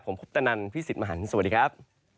ผมคุปตะนันพี่สิทธิ์มหันฯสวัสดีครับ